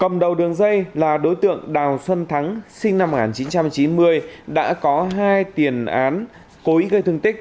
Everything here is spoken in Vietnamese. cầm đầu đường dây là đối tượng đào xuân thắng sinh năm một nghìn chín trăm chín mươi đã có hai tiền án cố ý gây thương tích